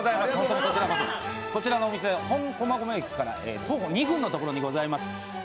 こちらのお店、本駒込駅から徒歩２分のところにございます。